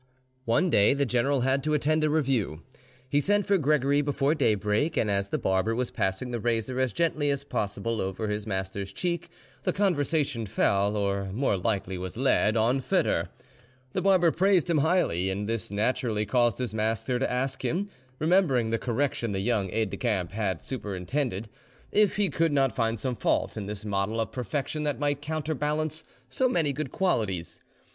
One day the general had to attend a review: he sent for Gregory before daybreak, and as the barber was passing the razor as gently as possible over his master's cheek, the conversation fell, or more likely was led, on Foedor. The barber praised him highly, and this naturally caused his master to ask him, remembering the correction the young aide decamp had superintended, if he could not find some fault in this model of perfection that might counterbalance so many good qualities.